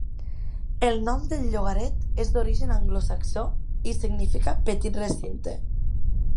El nom del llogaret és d'origen anglosaxó, i significa "petit recinte".